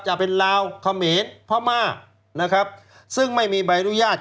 จะเป็นราวเขาเหม็นพระม่านะครับซึ่งไม่มีใบรุญญาติ